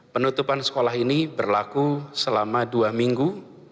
penutupan sekolah ini berlaku selama dua minggu